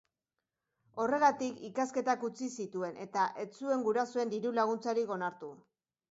Horregatik, ikasketak utzi zituen eta ez zuen gurasoen diru-laguntzarik onartu.